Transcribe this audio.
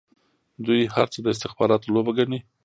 دوی هر څه د استخباراتو لوبه ګڼي.